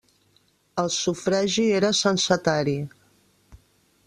El sufragi era censatari.